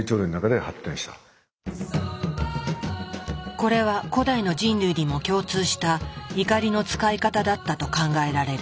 これは古代の人類にも共通した怒りの使い方だったと考えられる。